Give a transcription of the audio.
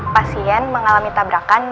pasien mengalami tabrak kaki